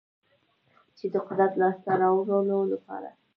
چې د قدرت لاسته راوړلو لپاره